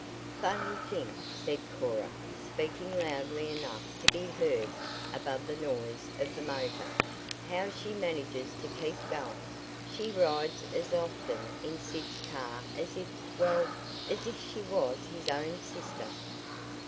"Funny thing," said Cora, speaking loudly enough to be heard above the noise of the motor, "how she manages to keep going. She rides as often in Sid's car as if well, as if she was his own sister."